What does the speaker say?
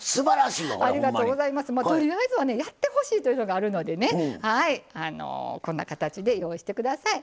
とりあえずはやってほしいというのがあるのでこんな形で用意してください。